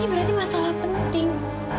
ini berarti masalah penting